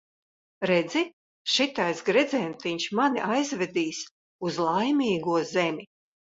Redzi, šitais gredzentiņš mani aizvedīs uz Laimīgo zemi.